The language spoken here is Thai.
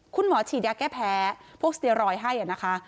คุณหมอฉีดยาแก้แพ้พวกสเตียรอยด์ให้นะคะ